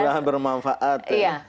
menurut saya bermanfaat